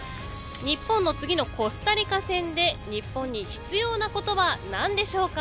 日本の次のコスタリカ戦で日本に必要なことは何でしょうか。